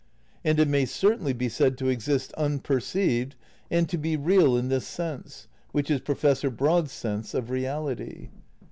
And it may cer tainly be said to exist unperceived and to be real in this sense (which is Professor Broad's sense) of reality.